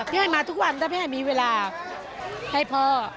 พี่ไอ้มาทุกวันถ้าพี่ไอ้มีเวลาให้พ่อ